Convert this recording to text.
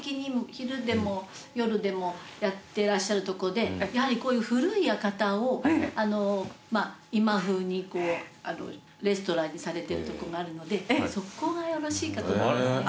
昼でも夜でもやってらっしゃるとこでやはりこういう古い館をまぁ今風にレストランにされてるとこがあるのでそこがよろしいかと思いますね。